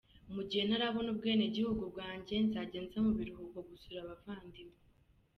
Mu gihe ntarabona ubwenegihugu bwanjye, nzajya nza mu biruhuko gusura abavandimwe.